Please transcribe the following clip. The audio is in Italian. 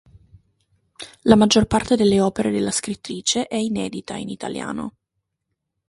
La maggior parte delle opere della scrittrice è inedita in italiano.